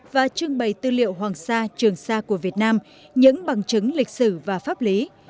và trưng bày tư liệu hoàng sa trường sa của việt nam những bằng chứng lịch sử và pháp lý